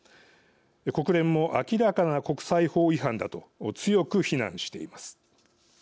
国連も「明らかな国際法違反だ」と強く非難しています。